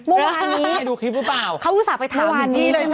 เมื่อวานนี้เค้าอุตส่าห์ไปถามพี่แม่มีนี่เลยใช่ไหมก้มทีจริงมา